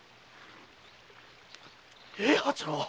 平八郎！